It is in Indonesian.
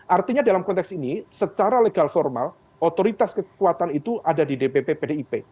artinya dalam konteks ini secara legal formal otoritas kekuatan itu ada di dpp pdip